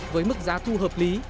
với mức giá thu hợp lý